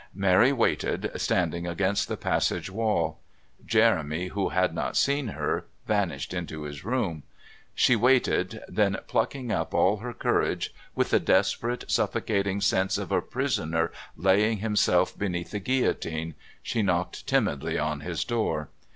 Mary waited, standing against the passage wall. Jeremy, who had not seen her, vanished into his room. She waited, then plucking up all her courage with the desperate suffocating sense of a prisoner laying himself beneath the guillotine, she knocked timidly on his door.